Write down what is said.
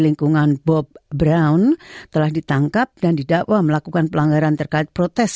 perkembangan kewajiban orang australia untuk memiliki tujuan simbolis